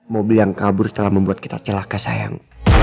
mobil yang kabur telah membuat kita celaka sayang